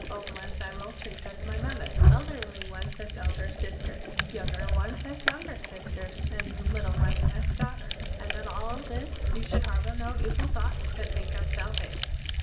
Old ones I will treat as my mother; elderly ones as elder sisters; yotmger ones as younger sisters; and little ones as daughters.' And in all this you shotdd harbor no evil thoughts, but think of salvation.'